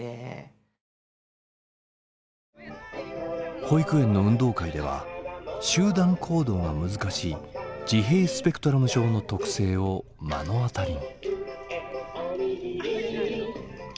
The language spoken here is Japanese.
保育園の運動会では集団行動が難しい自閉スペクトラム症の特性を目の当たりに。